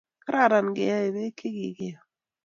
kararan kee beek che kikiyo